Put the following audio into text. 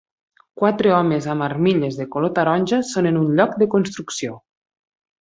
Quatre homes amb armilles de color taronja són en un lloc de construcció.